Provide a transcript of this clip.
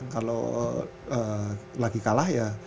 kalau lagi kalah ya